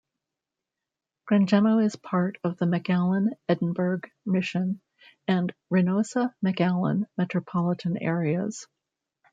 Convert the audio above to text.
Granjeno is part of the McAllen-Edinburg-Mission and Reynosa-McAllen metropolitan areas.